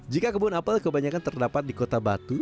jika kebun apel kebanyakan terdapat di kota batu